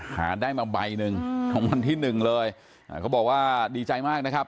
หาได้มาใบหนึ่งของวันที่หนึ่งเลยเขาบอกว่าดีใจมากนะครับ